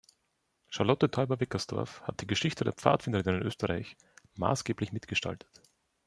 Charlotte Teuber-Weckersdorf hat die Geschichte der Pfadfinderinnen in Österreich maßgeblich mitgestaltet.